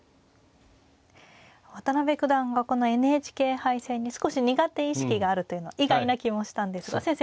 渡辺九段がこのＮＨＫ杯戦に少し苦手意識があるというのは意外な気もしたんですが先生いかがでしょうか。